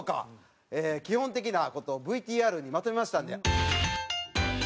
基本的な事をＶＴＲにまとめましたんで。